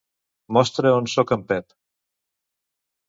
Mostra on soc a en Pep.